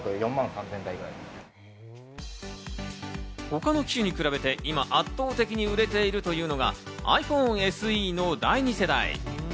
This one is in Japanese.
他の機種に比べて今圧倒的に売れているというのがｉＰｈｏｎｅＳＥの第２世代。